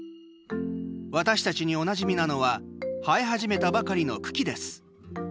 私たちにおなじみなのは生え始めたばかりの茎です。